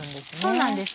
そうなんです。